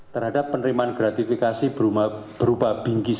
terhadap penerimaan gratifikasi berubah bingkisnya